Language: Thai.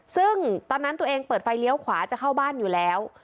ซึ่งตอนนั้นตัวเองเปิดไฟเลี้ยวขวาจะเข้าบ้านอยู่แล้ว